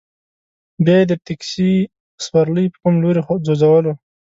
بیا یې د تکسي په سورلۍ په کوم لوري ځوځولو.